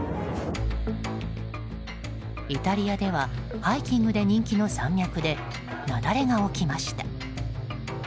イタリアではハイキングで人気の山脈で雪崩が起きました。